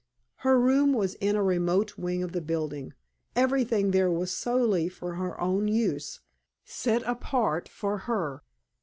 Her room was in a remote wing of the building. Everything there was solely for her own use, set apart for her.